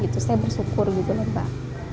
saya bersyukur gitu mbak